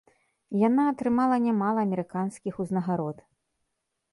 Яна атрымала нямала амерыканскіх узнагарод.